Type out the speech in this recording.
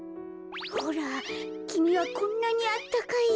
ほらきみはこんなにあったかいよ。